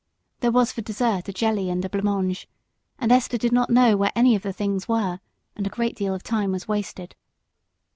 There was for dessert a jelly and a blancmange, and Esther did not know where any of the things were, and a great deal of time was wasted.